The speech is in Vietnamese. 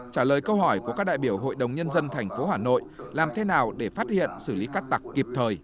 trả lời câu hỏi của các đại biểu hội đồng nhân dân tp hà nội làm thế nào để phát hiện xử lý cắt tặc kịp thời